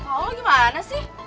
oh gimana sih